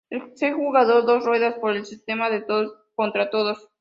Se jugaron dos ruedas por el sistema de todos contra todos.